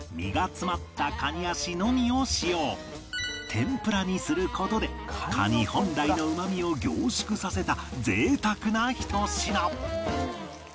天ぷらにする事でカニ本来のうまみを凝縮させた贅沢なひと品